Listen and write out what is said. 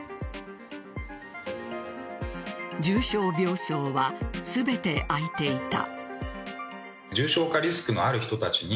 重症病床は全て空いていた。